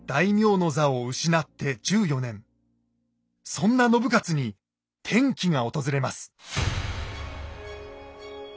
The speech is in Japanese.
そんな信雄に転機が訪れます。